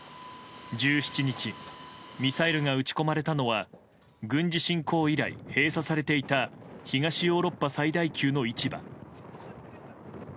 １７日ミサイルが撃ち込まれたのは軍事侵攻以来、閉鎖されていた東ヨーロッパ最大級の市場。